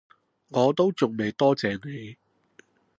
我都仲未多謝你